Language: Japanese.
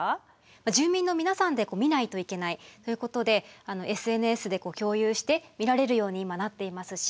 住民の皆さんで見ないといけないということでＳＮＳで共有して見られるように今なっていますし。